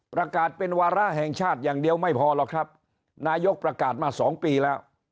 ประกาศเป็นวาระแห่งชาติอย่างเดียวไม่พอหรอกครับนายกประกาศมาสองปีแล้ว